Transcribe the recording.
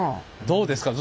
どうですか？